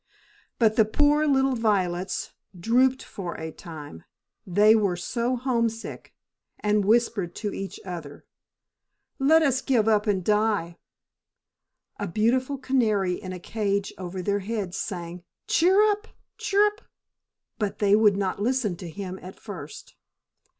But the poor little violets drooped for a time, they were so homesick, and whispered to each other, "Let us give up and die!" A beautiful canary in a cage over their heads sang "cheer up! chirrup!" but they would not listen to him at first.